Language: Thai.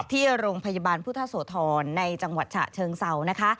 ที่โรงพยาบาลพุทธโสธรในจังหวัดฉะเชิงเศร้านะคะ